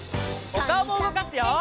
おかおもうごかすよ！